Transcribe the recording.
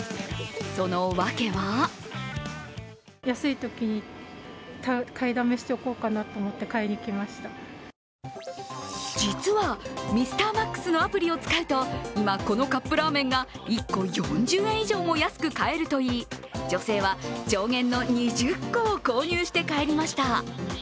その訳は実はＭｒＭａｘのアプリを使うと今、このカップラーメンが１個４０円以上も安く買えるといい、女性は上限の２０個を購入して帰りました。